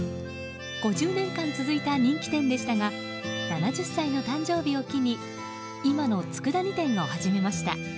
５０年間続いた人気店でしたが７０歳の誕生日を機に今の佃煮店を始めました。